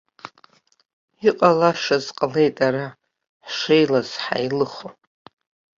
Иҟалашаз ҟалеит ара, ҳшеилаз ҳаилыхо.